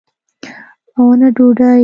او نه ډوډۍ.